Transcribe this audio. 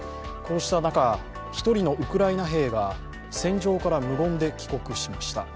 こうした中、一人のウクライナ兵が戦場から無言で帰宅しました。